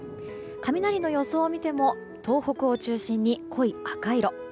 雷の予想を見ても東北を中心に濃い赤色。